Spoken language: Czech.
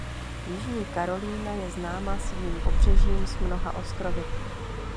Jižní Karolína je známa svým pobřežím s mnoha ostrovy.